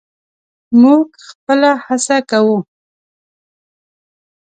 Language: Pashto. موږ خپله هڅه کوو.